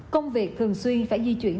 công việc thường xuyên phải di chuyển